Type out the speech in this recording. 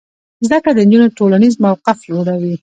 زده کړه د نجونو ټولنیز موقف لوړوي.